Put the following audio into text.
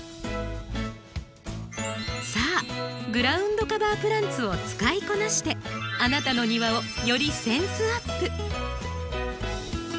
さあグラウンドカバープランツを使いこなしてあなたの庭をよりセンスアップ。